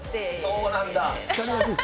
そうなんだ。